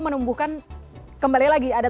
menumbuhkan kembali lagi ada